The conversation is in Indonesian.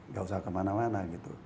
gak usah kemana mana